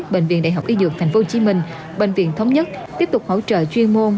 bệnh viện đại học y dược thành phố hồ chí minh bệnh viện thống nhất tiếp tục hỗ trợ chuyên môn